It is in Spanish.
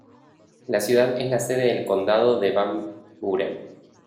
La ciudad es la sede del condado de Van Buren.